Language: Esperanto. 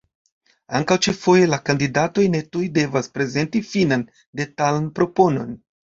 Ankaŭ ĉi-foje la kandidatoj ne tuj devas prezenti finan, detalan proponon.